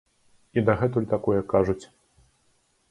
І дагэтуль такое кажуць.